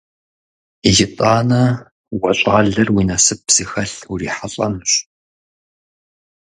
ИтӀанэ уэ щӀалэр уи насып зыхэлъ урихьэлӀэнущ.